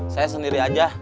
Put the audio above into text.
saya sendiri aja